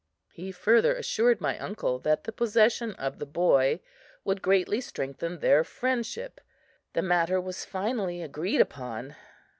He further assured my uncle that the possession of the boy would greatly strengthen their friendship. The matter was finally agreed upon.